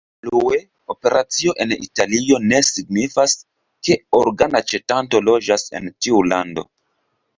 Plue, operacio en Italio ne signifas, ke organaĉetanto loĝas en tiu lando.